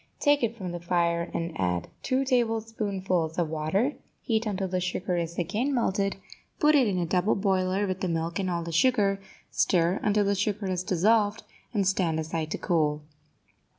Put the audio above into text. Take it from the fire and add two tablespoonfuls of water; heat until the sugar is again melted, put it in a double boiler with the milk and all the sugar, stir until the sugar is dissolved, and stand aside to cool.